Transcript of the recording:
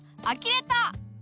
あきれた！